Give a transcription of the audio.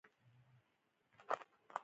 د افغانستان نجونې زده کړې غواړي